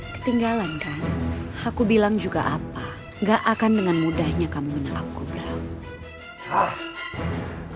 ketinggalan kan aku bilang juga apa gak akan dengan mudahnya kamu menangkap kubraw